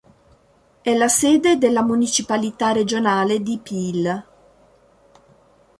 È la sede della Municipalità Regionale di Peel.